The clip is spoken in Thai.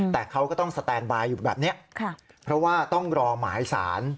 แต่เขาก็ต้องสแตนบายอยู่แบบนี้เพราะว่าต้องรอหมายสาร